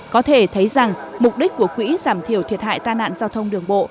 có thể thấy rằng mục đích của quỹ giảm thiểu thiệt hại ta nạn giao thông đường bộ